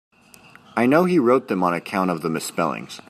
I know he wrote them on account of the misspellings.